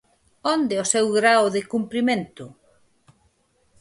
¿Onde o seu grao de cumprimento?